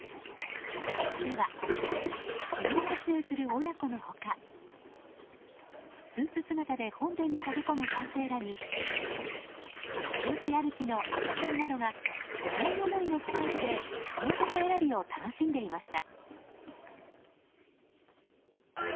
そこでは記念撮影をする親子の他スーツ姿で本殿に駆け込む男性らによちよち歩きの赤ちゃんなどが思い思いのスタイルで福男選びを楽しんでいました。